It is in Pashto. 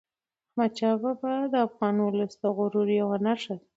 احمدشاه بابا د افغان ولس د غرور یوه نښه وه.